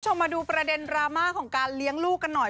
มาดูประเด็นดราม่าของการเลี้ยงลูกกันหน่อย